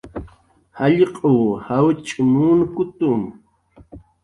Jallq'uw jawch' munkutu